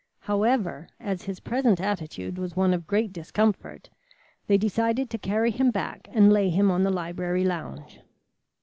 However, as his present attitude was one of great discomfort, they decided to carry him back and lay him on the library lounge.